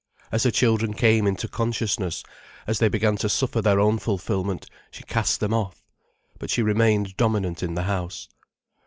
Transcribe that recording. As her children came into consciousness, as they began to suffer their own fulfilment, she cast them off. But she remained dominant in the house.